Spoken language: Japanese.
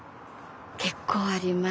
結構ありました。